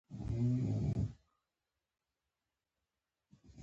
هر څوک په خپله مخه ولاړو.